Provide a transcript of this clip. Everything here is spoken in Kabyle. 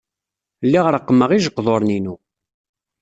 Lliɣ reqqmeɣ ijeqduren-inu.